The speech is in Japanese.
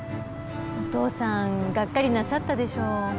お父さんがっかりなさったでしょう。